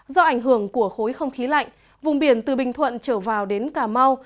do ảnh hưởng của khối không khí lạnh vùng biển từ bình thuận trở vào đến cà mau